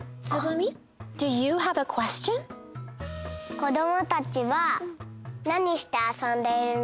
子どもたちは何してあそんでいるの？